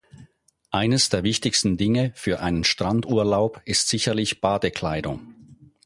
Eines der wichtigsten Dinge für einen Strandurlaub ist sicherlich Badekleidung.